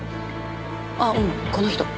あっうんこの人。